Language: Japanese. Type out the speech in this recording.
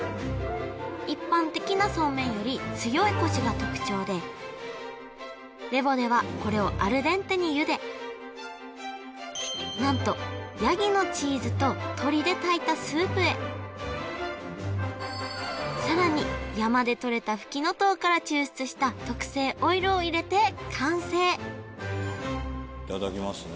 一般的な素麺より強いコシが特徴でレヴォではこれをアルデンテにゆで何とヤギのチーズと鶏で炊いたスープへさらに山でとれたフキノトウから抽出した特製オイルを入れて完成いただきますね